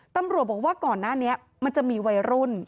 ตำรวจบอกว่าก่อนหน้านี้มันจะมีวัยรุ่น